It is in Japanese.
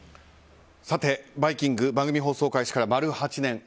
「バイキング」番組放送開始から丸８年。